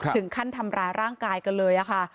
ถึงขั้นทำร้ายร่างกายกันเลยค่ะ